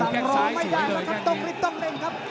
สั่งรอไม่ใหญ่แล้วครับต้องเล่นครับ